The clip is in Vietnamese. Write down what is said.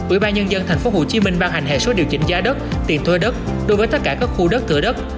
ubnd tp hcm ban hành hệ số điều chỉnh giá đất tiền thuê đất đối với tất cả các khu đất thửa đất